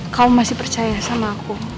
kau masih percaya sama aku